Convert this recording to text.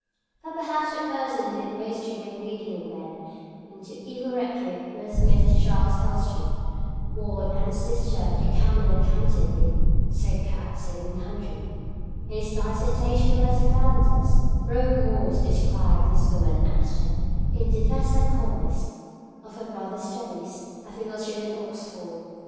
But perhaps the person who did most to bring reading in bed into evil repute was Mrs. Charles Elstob, ward and sister of the Canon of Canterbury (circa 1700). In his "Dissertation on Letter Founders," Rowe Mores describes this woman as the "indefessa comes" of her brother's studies, a female student in Oxford.